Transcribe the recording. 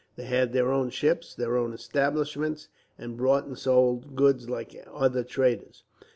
They had their own ships, their own establishments, and bought and sold goods like other traders.